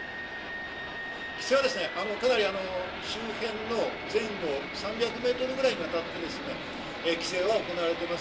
規制はかなり周辺の前後、３００ｍぐらいにわたって規制は行われています。